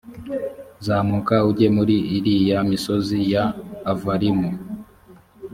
zamuka ujye muri iriya misozi ya avarimu.